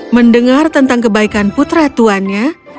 bertha menerima kebaikan putra tuanya